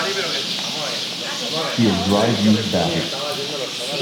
He'll drive you batty!